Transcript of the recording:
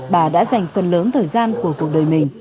bà đã dành phần lớn thời gian của cuộc đời mình